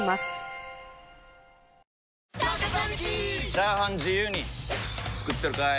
チャーハン自由に作ってるかい！？